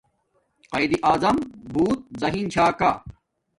قایداعظم بوت زہین چھا کا